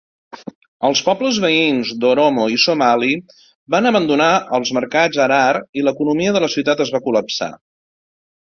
Els pobles veïns d"Oromo i Somali van abandonar els mercats Harar i l"economia de la ciutat es va col·lapsar.